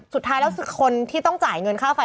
สุดท้ายแล้วคนที่ต้องจ่ายเงินค่าไฟ